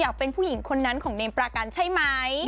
เป็นผู้หญิงคนนั้นของเมมประกันใช่ไหม